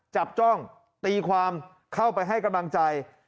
จ้องตีความเข้าไปให้กำลังใจ